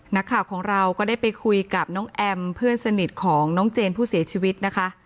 นักข่าวของเราก็ได้ไปคุยกับน้องแอมเพื่อนสนิทของน้องเจนผู้เสียชีวิตนะคะ